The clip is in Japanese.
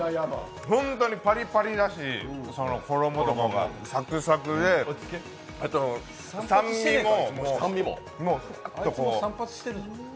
本当にパリパリだし、衣とかサクサクであと酸味ももう、ふわっと。